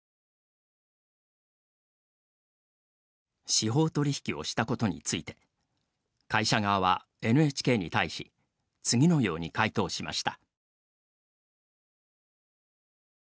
司法取引をしたことについて会社側はＮＨＫに対し次のように回答しました。